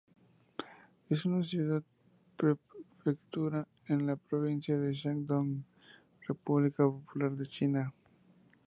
Es una ciudad-prefectura en la provincia de Shandong, República Popular de China.